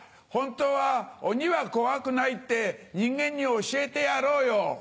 本当は鬼は怖くないって人間に教えてやろうよ。